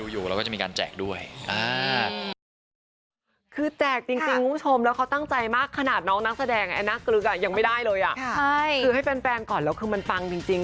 ยังไม่ได้เลยอ่ะคือให้แฟนก่อนแล้วคือมันฟังจริง